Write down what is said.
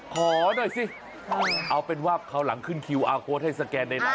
ขอหน่อยสิเอาเป็นว่าคราวหลังขึ้นคิวอาร์โค้ดให้สแกนในน้ำ